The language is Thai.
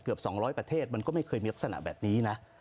๒๐๐ประเทศมันก็ไม่เคยมีลักษณะแบบนี้นะ